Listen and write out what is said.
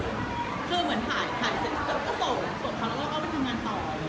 ส่งเขาแล้วก็ไปทำงานต่อ